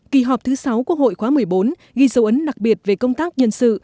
kỳ họp thứ sáu quốc hội khóa một mươi bốn ghi dấu ấn đặc biệt về công tác nhân sự